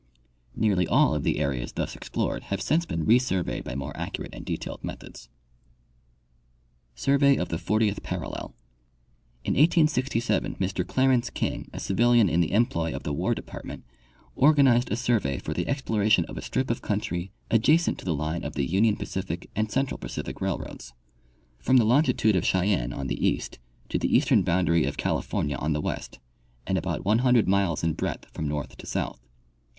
Nearly all of the areas thus explored have since been resur veyed by more accurate and detailed. methods. Survey of the 40th Parallel. — In 1867 Mr Clarence King, a civil ian in the employ of the War department, organized a survey for the exploration of a strip of country adjacent to the line of the Union Pacific and Central Pacific railroads, from the longitude of Cheyenne on the east to the eastern boundary of California on the west, and about 100 miles in breadth from north to south.